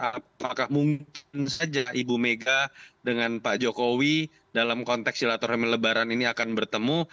apakah mungkin saja ibu mega dengan pak jokowi dalam konteks silaturahmi lebaran ini akan bertemu